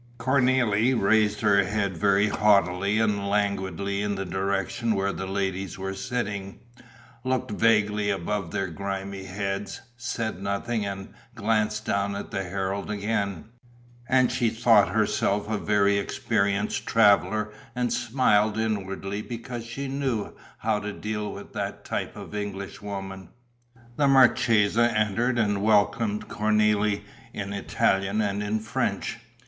Cornélie raised her head very haughtily and languidly in the direction where the ladies were sitting, looked vaguely above their grimy heads, said nothing and glanced down at the Herald again; and she thought herself a very experienced traveller and smiled inwardly because she knew how to deal with that type of Englishwoman. The marchesa entered and welcomed Cornélie in Italian and in French.